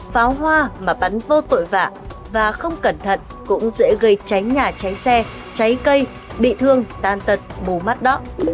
pháo hoa mà bắn vô tội vạ và không cẩn thận cũng dễ gây cháy nhà cháy xe cháy cây bị thương tan tật mù mắt đỏ